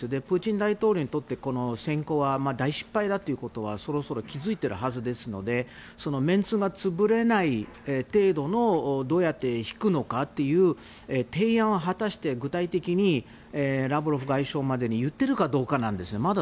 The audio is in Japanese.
プーチン大統領にとってこの侵攻は大失敗だということはそろそろ気付いているはずですのでメンツが潰れない程度のどうやって引くのかという提案を果たして具体的にラブロフ外相までに言ってるかどうかなんですね。